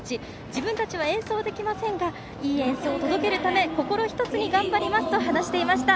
自分たちは演奏はできませんがいい演奏を届けるため心１つに頑張りますと話していました。